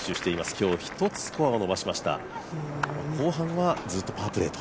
今日１つスコアを伸ばしました、後半はずっとパープレーと。